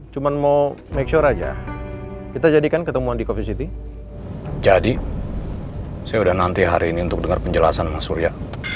sampai jumpa di video selanjutnya